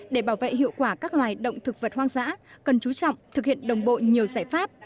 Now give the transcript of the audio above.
để bảo vệ hiệu quả các loài động thực vật hoang dã cần chú trọng thực hiện đồng bộ nhiều giải pháp